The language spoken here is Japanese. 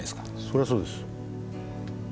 それはそうです。